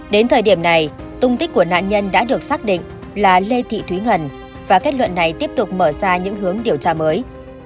đến thời điểm này tung tích của nạn nhân đã được xác định là lê thị thúy ngân và kết luận này tiếp tục mở ra những hướng điều tra mới